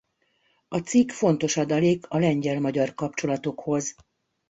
A cikk fontos adalék a lengyel-magyar kapcsolatokhoz.